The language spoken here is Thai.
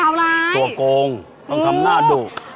เดาร้ายตัวโงงต้องทำหน้าดูก